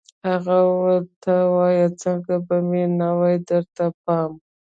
هغه ویل ته وایه څنګه به مې نه وي درته پام